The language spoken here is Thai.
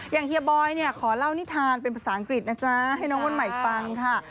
เฮียบอยเนี่ยขอเล่านิทานเป็นภาษาอังกฤษนะจ๊ะให้น้องวันใหม่ฟังค่ะ